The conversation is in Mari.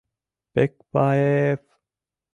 Пекпа-а-ев!